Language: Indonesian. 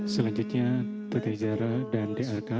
selanjutnya kami undang